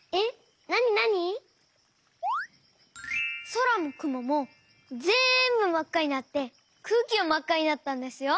そらもくももぜんぶまっかになってくうきもまっかになったんですよ！